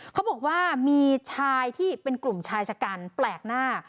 เขาบอกว่ามีชายที่เป็นกลุ่มชายชะกันแปลกหน้า